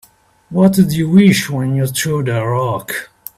What'd you wish when you threw that rock?